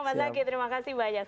mas zaky terima kasih banyak